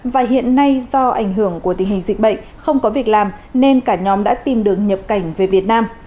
và hiện nay do ảnh hưởng của tình hình dịch bệnh không có việc làm nên cả nhóm đã tìm đường nhập cảnh về việt nam